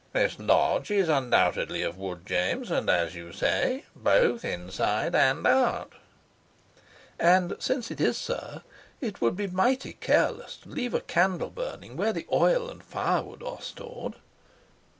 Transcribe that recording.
"This lodge is undoubtedly of wood, James, and, as you say, both inside and out." "And since it is, sir, it would be mighty careless to leave a candle burning where the oil and firewood are stored."